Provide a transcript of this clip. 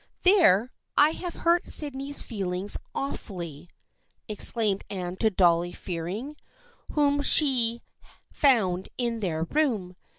" There, I have hurt Sydney's feelings awfully," exclaimed Anne to Dolly Fearing, whom she found in their room.